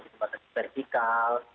yaitu rumah sakit sakit vertikal